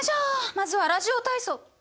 まずはラジオ体操。